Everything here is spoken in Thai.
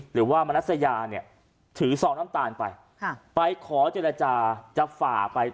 หรือว่ามนัสยาเนี่ยถือซองน้ำตาลไปค่ะไปขอเจรจาจะฝ่าไป